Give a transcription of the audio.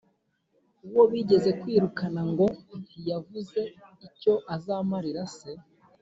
uwo bigeze kwirukana ngo ntiyavuze icyo azamarira se.